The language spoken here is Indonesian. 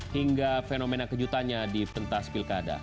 hingga fenomena kejutannya di pentas pilkada